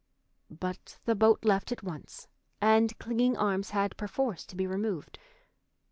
But the boat left at once, and clinging arms had perforce to be removed.